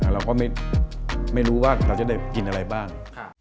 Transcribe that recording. เราก็ไม่รู้ว่าเราจะได้กินอะไรบ้าง